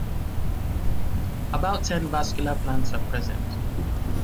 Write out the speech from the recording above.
About ten vascular plants are present.